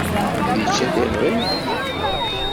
Yečča tiɣrit.